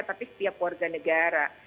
tapi setiap warga negara